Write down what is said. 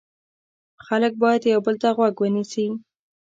خلک باید یو بل ته غوږ ونیسي.